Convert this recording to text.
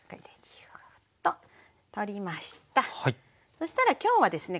そしたら今日はですね